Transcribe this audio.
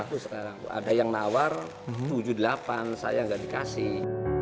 nggak laku sekarang ada yang nawar rp tujuh delapan ratus saya nggak dikasih